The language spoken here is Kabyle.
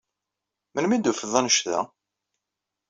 Melmi i d-tufiḍ annect-a?